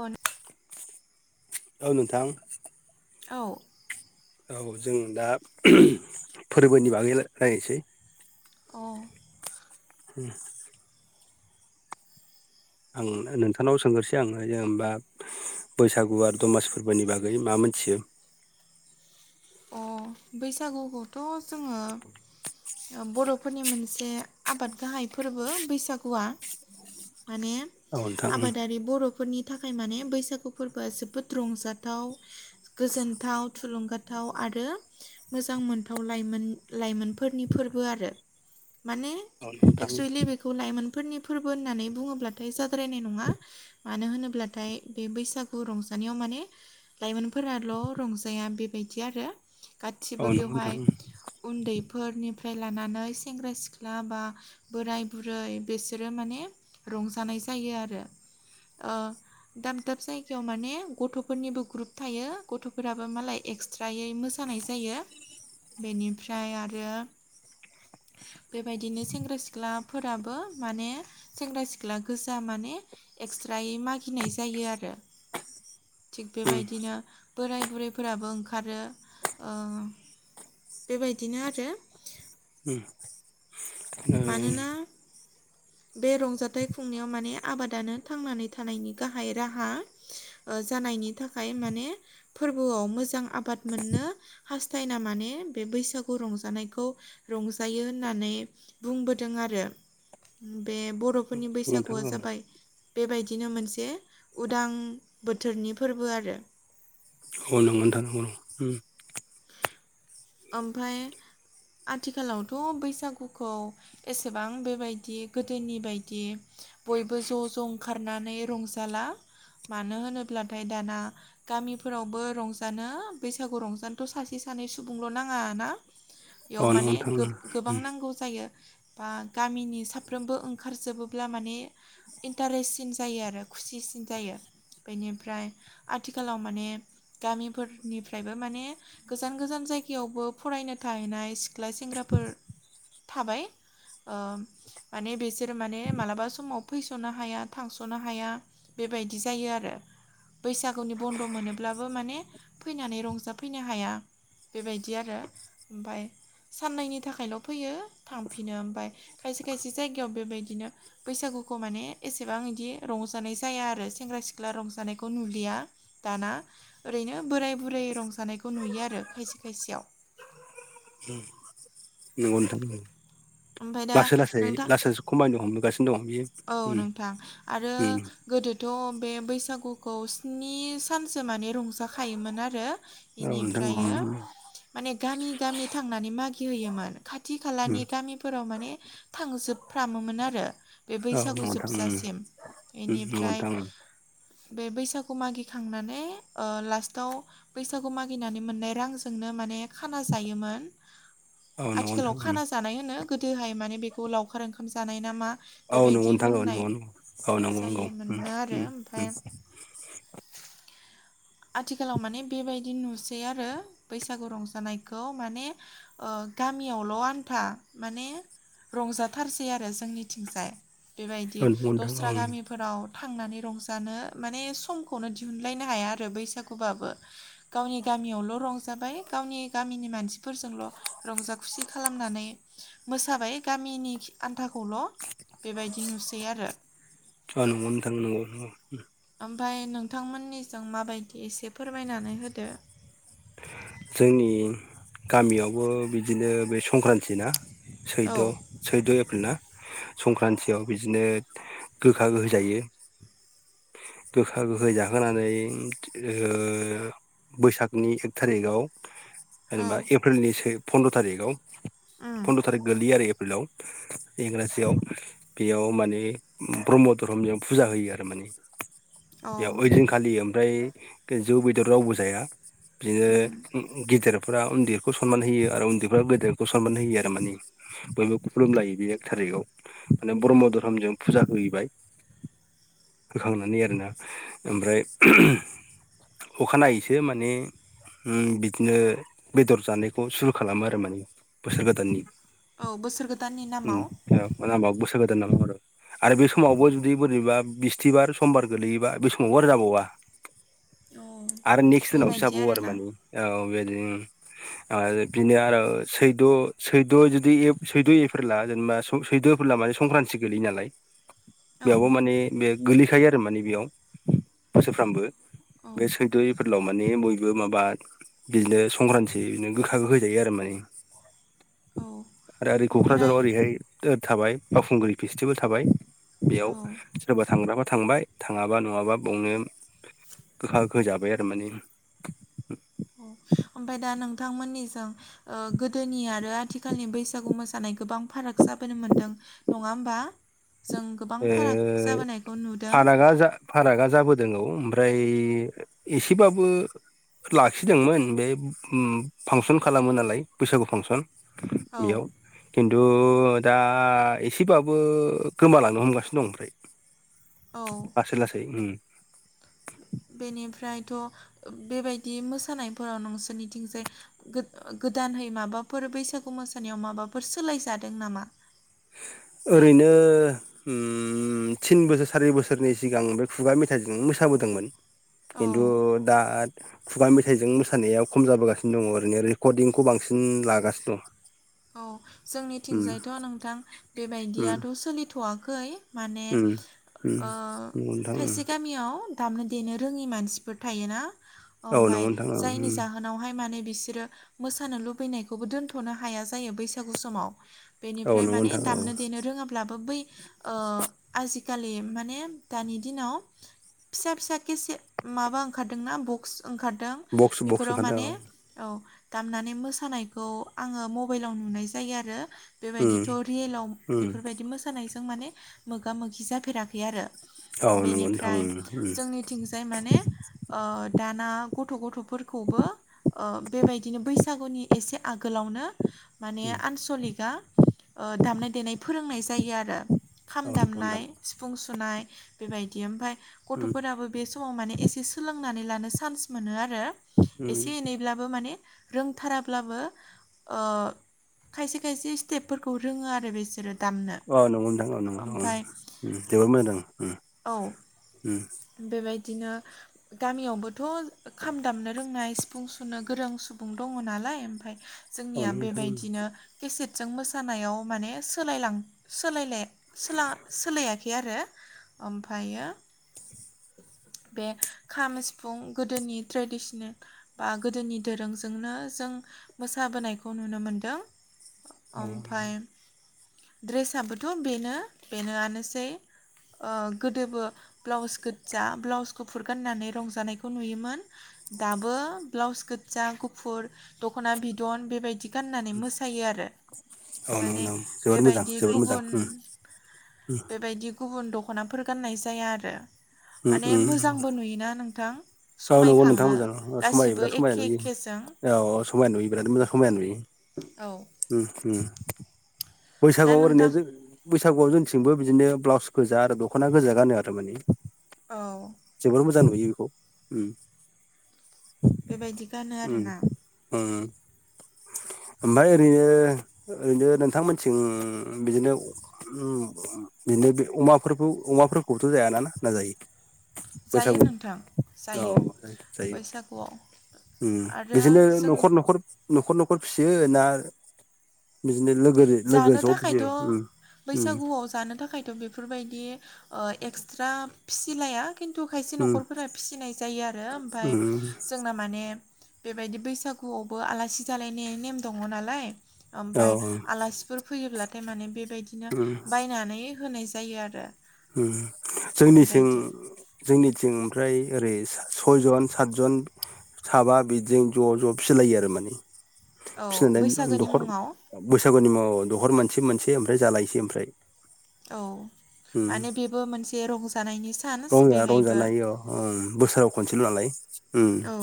अन औ नोंथां औ औ जों दा फोरबोनि बागै रायलायनोसै अ उम आं नोंथांनाव सोंगोरसै आंङो जेनेबा बैसागु आरो दमासि फोरबोनि बागै मा मोन मोथियो अ बैसागुखौथ' जोंङो ओ बर'फोरनि मोनसे आबाद गाहाय फोरबो बैसागुआ माने औ नोंथां आबादारि बर'फोरनि थाखाय माने बैसागु फोरबोआ जोबोद रंजाथाव गोजोनथाव थुलुंगा थाव आरो मोजां मोनथाव लाइ लाइमोनफोरनि फोरबो आरो माने औ नोंथां एक्सुेलि बेखौ लाइमोन फोरनि फोरबो होननानै बुङोब्लाथाय जाद्रायनाय नङा मानो होनोब्लाथाय बे बैसागु रंजा दानियाव माने लाइमोनफोराल' रंजाया बेबायदि बिदि आरो औ गासिबो नंगौ नोंथां बेवहाय उन्दैफोरनिफ्राय फाय लानानै सेंग्रा सिख्ला बा बोराय बुरै बिसोरो माने रंजानाय जायो आरो ओ दाब दाब जायगायाव माने गथ'फोरनिबो ग्रुप थायो गथ'फोराबो मालाय एक्स थ्रारायै मोसानाय जायो बेनिफ्राय आरो बेबायदिनो सेंग्रा सिख्लाफोराबो माने सेंग्रा सिख्ला गोजा माने ने एक्सट्रायै मागिनाय जायो आरो [inaudible] थिग उम बेबायदिनो बोराय बुरैफोराबो ओं खारो ओ बेबायदिनो आरो उम मानोना नंगौ बे रंजाथाइ खुंनायाव माने आबादानो थांनानै थानायनि गाहाय राहा ओ जानायनि थाखाय माने फोरबोआव मोजां आबाद मोननो हास्थायना माने बे बैसागु रंजानायखौ रंजायो होननानै। बुंबोदों आरो बे बर'फोरनि नोंथां बैसागुआ जाबाय। बेबायदिनो मोनसे उदां बोथोरनि फोरबो आरो। अ नंगौ नोंथां औ [unintelligible] ओमफ्राय। आथिखालावथ' बैसागुखौ एसेबां बेबायदि गोदोनि बायदि। बयबो ज' ज' ओंखारनानै रंजाला। मानो होनोब्लाथाय दाना गामिफोरावबो रंजानो बैसागु रंजानो थ' सासे सानै सुबुंल' नाङा ना बेयाव औ नंगौ माने नोंथां गोबां नांगौ जायो। बा गामिनि साफ्रोमबो ओंखारजोबोब्ला माने इन्टारेससिन जायो आरो खुसि सिनजायो बेनिफ्राय आथिखालाव माने गामिफोरनिफ्रायबो माने गोजान गोजान जायगायावबो फरायनो थाहैनाय सिख्ला सेंग्राफोर थाबाय ओ माने बिसोरो माने मालाबा समाव फैस'नो हाया थांस'नो हाया बेबायदि जायो आरो। बैसागुनि बन्द' मोनोब्लाबो माने फैनानै रंजाफैनो हाया। बेबायदि आरो ओमफ्राय साननैनि थाखायल' फैयो थांफिनो। ओमफ्राय खायसे खायसे जायगायाव बेबायदिनो बैसागु गुखौ माने एसेबां बिदि रंजानाय जाया आरो सेंग्रा सिख्ला रंजानायखौ नुुलिया दाना। ओरैनो बोराय बुरै रंजा जानायखौ नुयो आरो खायसे खायसेयाव। नोंगौ नोंथां ओमफाय दा लासै लासै नोंथां लासै लासै खमाइनो हमबोगासिनो दं बियो। औ उम नोंथां आरो उम गोदोथ' बे बैसागुखौ स्नि सानसो माने रंजाखायोमोन आरो। औ नोंथां औ बेनिफ्रायो उम माने गामि गामि थांनानै मागि होयोमोन खाथि खालानि गामिफोराव माने थांजोबफ्रामोमोन आरो। बे औ बैसागु नंगौ नोंथां उम जोबजासिम उम नंगौ इनिफ्राय नोंथां बे बैसागु मागिखांनानै ओ लास्टाव बैसागु मागिनानै मोननाय रांजोंनो माने खाना जायोमोन। औ नंगौ आथिखालाव नोंथां खाना जानाय होनो गोदोहाय माने बेखौ लावखार ओंखाम जानाय ना मा? औ नंगौ बेबायदि नोंथां औ होननाय नंगौ नंगौ औ नंगौ नंगौ उम जायोमोननो आरो उम उम ओमफ्राय आथिखालाव माने बेबायदि नुसै आरो बैसागु रंजानायखौ माने ओ गामियावल' आन्था माने रंजाथारसै आरो जोंनिथिंजाय बेबायदि औ नंगौ नोंथां दस्रा ओं गामिफोराव थांनानै रंजानो माने समखौनो दिहुनलायनो हाया आरो रो बैसागुबाबो गावनि गामियावल' रंजाबाय गावनि गामिनि मानसिफोरजोंल'। रंजा खुसि खालामनानै मोसाबाय गामिनि आनथ नथाखौल' बेबायदि नुसै आरो। औ नंगौ नोंथां नंगौ नंगौ ओमफ्राय नोंथांमोननिजों माबायदि एसे फोरमायनानै होदो। जोंनि गामियावबो बिदिनो बे संक्रान्ति सैद' औ सैद'एप्रिल ना? संक्रान्तियाव बिदिनो गोखा गोखै जायो। गोखा गोखै जाहोनानै ओ बैसागनि थारिकआव जेनेबा औ एप्रिलनि फन्द्र थारिकआव उम पन्द्र' थारिख गोलैयो आरो। कुलाव इंराजियाव बेयाव माने ब्रह्म धरमनिआव फुजा होयो आरो माने औ बेयाव ओइदिनखालि ओमफ्राय जौ बेदर रावबो जाया। उम बिदिनो गेदेरफोरा उन्दैखौ सनमान होयो आरो उन्दैफोरा गेदेरखौ सनमान होयो आरो माने। बयबो खुलुमलायो बे एक थारिखाव माने औ ब्रह्म धोरोमजों फुजा हैबाय। होखांनानै आरोना ओमफ्राय अखानायैसो माने बिदिनो बेदर जानायखौ सुरु खालामो आरो माने बोसोर गोदाननि औ बोसोर गोदाननि नामाव नामाव बोसोर गोदाननि नामाव आरो। आरो बे समावबो जुदि बोरैबा बिस्थिबार समबार गोलैयोबा बे समावबो आरो जाबावा। औ आरो नेक्स्ट दिनावसो बेबायदि जाबावो आरो आरोना माने औ बेदिनो। आरो बिनो आरो सैद सैद जुदि सैद' एप्रिला जेनेबा सैद' एप्रिला माने संक्रान्ति गोलैयो नालाय। औ बेयावबो माने बे गोलैखायो आरो माने बेयाव बोसोरफ्रामबो औ बे सैद एप्रिलाव माने बयबो ओ माबा बिदिनो संक्रान्ति बिनो गोखा गोखै जायो आरो माने औ आरो ओरै ओमफ्राय कक्राझाराव ओरैहाय थाबाय बावखुंग्रि फेस्टिभेल थाबाय बेयाव औ सोरबा थांग्राफोर थांबाय थाङाबा नङाबा बावनो गोखा गोखो जाबाय आरो माने [inaudible] औ ओमफाय दा नोंथांमोननिजों ओ गोदोनि आरो आथिखालनि बैसागु मोसानाय गोबां फाराग जाबोनो मोन्दों नङा होमबा? जों गोबां ओ फाराग जाबोनायखौ नुदों। नंगौ ओमफ्राय एसेबाबो लाखिदोंमोन बे फांसन खालामो नालाय बैसागु फांसन औ बेयाव खिन्थु दा एसेबाबो गोमालां नो हमगासिनो दं ओमफ्राय औ लासै लासै। [inaudible] बेनिफ्रायथ बेबायदि मोसानायफोराव नोंसोरनिथिंजाय गोद- गोदान है माबाफोर बैसागु मोसानायाव माबाफोर सोलायजादों नामा? ओरैनो उम थिन बोसोर सारि बोसोरनि सिगां बे खुगा मेथाइजोंनो मोसाबोदोंमोन। औ खिन्थु दा खुगा मेथाइजों मोसानाया खम जाबोगासिनो दङ ओरैनो रेकर्डिंखौ बांसिन लागासिनो दं। औ जोंनिथिंजायथ नोंथां उम बेबायदियाथ सोलिथवाखै माने उम उम ओ उम खायसे नंगौ गामियाव। दामनो देनो रोङि मानसिफोर थायोना ओमफाय नोंथां जायनि उम जाहोनावहाय माने बिसोरो मोसानो लुबैनायखौबो दोनथनो हाया जायो बैसागु समाव। औ नंगौ नोंथां औ उम औ बेनिफ्राय नंगौ माने नोंथां औ दामनो देनो रोङाब्लाबो बै ओ आजिखालि माने दानि दिनाव फिसा फिसा केसेट माबा ओंखारदोंना बक्स ओंखारदों बक्स बक्स बेफोराव ओंखारदों औ माने औ दामनानै मोसानायखौ आङो म बाइलाव नुनाय जायो आरो उम बेबायदिथ रियेलाव उम बेफोरबायदि मोसानाय जों माने मोगा मोगि जाफेराखै आरो औ नंगौ नोंथां बेनिफ्राय उम उम जोंनिथिंजाय माने ओ दाना गथ गथफोरखौबो ओ बेबायदिनो बैसागुनि एसे आगोलावनो माने आनसलिकआ ओ दामनाय देनाय फोरोंनाय जायो आरो खाम उम दामनाय सिफुं सुनाय बेबायदि ओमफ्राय गथफोराबो बे समाव माने एसे सोलोंनानै लानो चान्स मोनो आरो एसे एनैब्लाबो माने रोंथाराब्लाबो ओ खायसे खायसे स्टेपफोरखौ रोङो आरो बिसोरो दामनो औ नंगौ नोंथां औ नंगौ औ ओमफाय जोबोद मोजां उम उम। बिदिनो गामियावबोथ खाम दामनो रोंनाय सिफुं सुनो गोरों सुबुं दङ ना लाय ओमफ्राय औ जोंनिया नंगौ नोंथां बेबायदिनो केसेट जों मोसानायाव माने सोलायलां सोलायलाय सोला सोलायाखै आरो ओमफ्रायो [inaudible] बे खाम सिफुं गोदोनि ट्रेडिसनेल बा गोदोनि दोरोंजोंनो जों मोसाबोनायखौ नुनो मोनदों। औ ओमफ्राय ड्रेसआोथ' बेनो बेनोआनोसै गोदोबो ब्लाउस गोजा ब्लाउसखौ फुरगाननानै रंजानायखौ नुयोमोन। दाबो ब्लाउस गोजा गुफुर दख'ना बिदन बेबायदि गाननानै मोसायो आरो औ नंगौ माने नोंथां जोबोद मोजां बेबायदि जोबोद मोजां गुबुन बेबायदि गुबुन दख'नाफोर गाननाय जाया आरो उम माने उम मोजांबो नुयोना नोंथां औ नंगौ नोंथां समायखाङो मोजां समायो गासिबो बिराद समायना एखे नुयो एखेजों औ औ समायना नुयो बिराद मोजां समाय नुयो औ दा बैसागआव ओरैनो नोंथां जों बैसागुआव जोंनिथिं बो बिदिनो ब्लाउस गोजा आरो दख'ना गोजा गानो आरो माने औ मोजा नुयो बेखौ बेबायदि गानो उम आरोना ओमफ्राय ओरैनो ओरैनो नोंथांमोन थिं बिदिनो बिदिनो अमाफोरखौ अमाफोरखौबोथ' जायाानाना नाजायो जायो बैसागु नोंथां औ जायो जायो बैसागुआव आरो बिदिनो जों न'खर न'खर न'खर न'खर फियो ना बिदिनो लोगो लोगो जानो ज' थाखायथ' फिसियो उम उम बैसागुआव जानो थाखायथ' बेफोरबायदि एक्सट्रा फिसिलाया खिन्थु खायसे उम न'खरफोरा फिसिनाय जायो आरो ओमफफ्राय उम जोंना माने बेबायदि बैसागुआवबो आलासि जालायनाय नेम दङ नालाय औ ओमफफ्राय आलासिफोर फैयोब्लाथाय माने बेबायदिनो उम बायनानै होनाय जायो आरो जोंनिसिं बेबायदि जोंनिथिं ओमफ्राय ओरै सयजन सातजन साबा बिदि ज' ज' फिलाय औ फियो आरो बैसागोनि दख मुङाव बैसागुनि मुंआव दहर मोनसे मोनसे ओमफ्राय जालायसै ओमफ्राय औ उम माने बेबो मोनसे रंजानायनि सायाव रंजा रंजानायं बोसोराव खनसेल' नालाय उम औ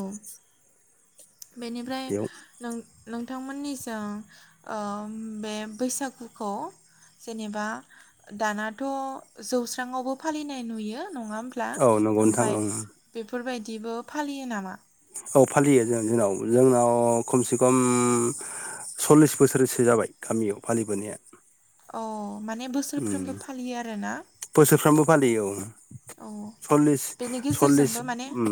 बेनिफ्राय बेयाव नों नोंथांमोननिजों बे बैसागुखौ जेनेबा दानाथ' जौस्रांआवबो फालिनाय नुयो नङा होनोमब्ला औ नंगौ नोंथां ओमफफ्राय ओं बेफोरबायदिबो फालियो नामा औ फालियो जों जोंनाव जोंनाव खमसे खम सल्लिस बोसोरसो जाबाय गामियाव फालिबोनाया अ माने उम बोसोरफ्रोमबो फालियो आरोना बोसोरफ्रामबो फालियो औ औ सललिस बेनि सललिस गेजेरजोंबो माने उ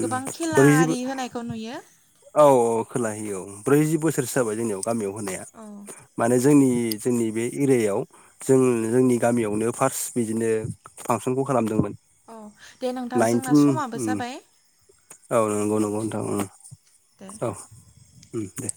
गोबां खेला बबो आरि होनायखौ नुयो औ औ खोलाहैयो औ ब्रैजि बोसोरसो जाबाय जोंनियाव गामियाव होनाया औ माने जोंनि जोंनि बे एरियायाव जों जोंनि गामियावनो फार्स्ट बिदिनो फांसनखौ खालामदोंमोन औ दे नोंथां जोंना नाइनटिन समाबो उम जाबाय औ नंगौ नंगौ नथां दे औ दे